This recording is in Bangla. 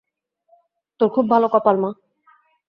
তোর খুব ভালো কপাল, মা।